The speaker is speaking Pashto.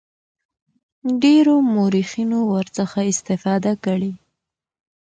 ډیرو مورخینو ورڅخه استفاده کړې.